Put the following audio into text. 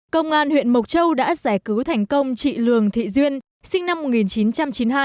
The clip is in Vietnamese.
công an huyện mộc châu đã giải cứu thành công chị lường thị duyên sinh năm một nghìn chín trăm chín mươi hai